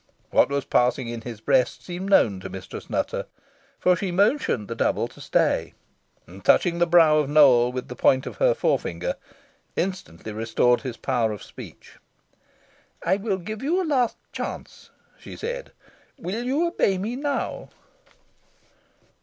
What was passing in his breast seemed known to Mistress Nutter; for she motioned the double to stay, and, touching the brow of Nowell with the point of her forefinger, instantly restored his power of speech. "I will give you a last chance," she said. "Will you obey me now?"